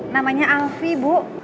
namanya alfie bu